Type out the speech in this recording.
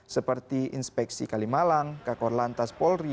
seperti inspeksi kalimalang kakor lantas polri